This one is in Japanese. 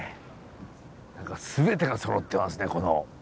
何か全てがそろってますねこの。